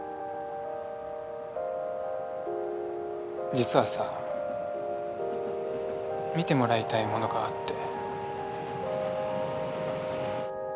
実はさ見てもらいたいものがあって。